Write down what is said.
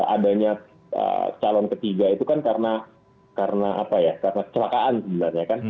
adanya calon ketiga itu kan karena apa ya karena kecelakaan sebenarnya kan